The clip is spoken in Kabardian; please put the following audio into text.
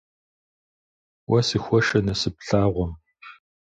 Уэ сыхуэшэ насып лъагъуэм.